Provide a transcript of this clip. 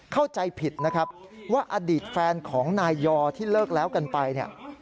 เข้าใจผิดนะครับว่าอดีตแฟนของนายยอที่เลิกแล้วกันไปเนี่ย